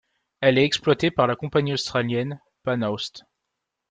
Elle est exploitée par la compagnie australienne PanAust.